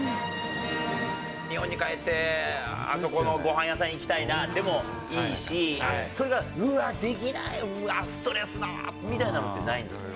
日本に帰って、あそこのごはん屋さん行きたいなでもいいし、それが、うわー、できない、ストレスだわーみたいなのないんですか。